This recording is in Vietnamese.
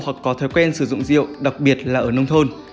hoặc có thói quen sử dụng rượu đặc biệt là ở nông thôn